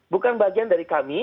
bukan bagian dari kami